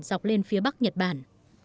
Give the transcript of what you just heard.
dọc lên phía bắc nhật bản